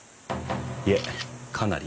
いえかなり。